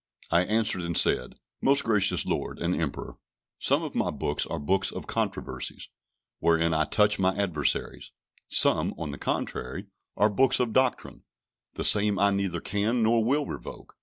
I answered and said, "Most gracious Lord and Emperor, some of my books are books of controversies, wherein I touch my adversaries: some, on the contrary, are books of doctrine; the same I neither can nor will revoke.